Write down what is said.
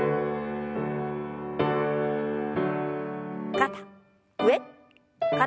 肩上肩下。